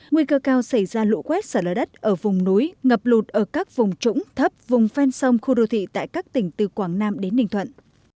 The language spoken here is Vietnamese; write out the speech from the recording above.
nguy cơ cao xảy ra lũ quét xả lở đất ở vùng núi ngập lụt ở các vùng trũng thấp vùng phen sông khu đô thị tại các tỉnh từ quảng nam đến ninh thuận